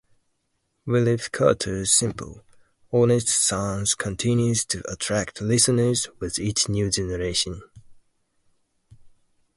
Wilf Carter's simple, honest sound continues to attract listeners with each new generation.